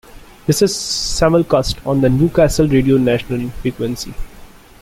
This is simulcast on the Newcastle Radio National frequency.